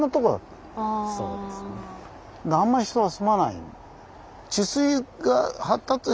あんまり人は住まない。